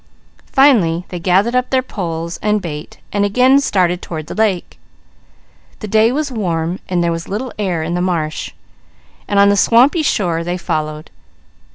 Finally they gathered up their poles and bait and again started toward the lake. The day was warm, and there was little air in the marsh, and on the swampy shore they followed.